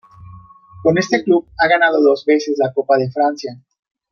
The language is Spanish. Con este club ha ganado dos veces la Copa de Francia.